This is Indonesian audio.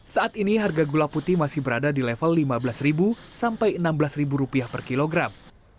saat ini harga gula putih masih berada di level rp lima belas sampai rp enam belas per kilogram